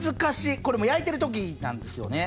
これもう焼いてる時なんですよね？